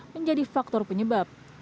menjadi faktor penyebab